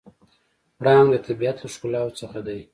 پړانګ د طبیعت له ښکلاوو څخه دی.